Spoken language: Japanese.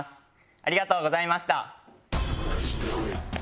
ありがとうございます。